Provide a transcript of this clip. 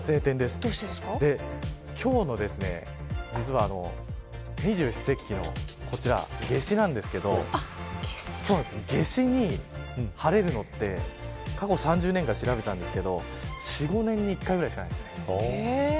実は、今日は二十四節気の夏至なんですが夏至に晴れるのって過去３０年間、調べたんですけど４、５年に１回ぐらいしかないです。